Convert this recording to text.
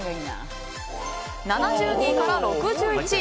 ７２位から６１位。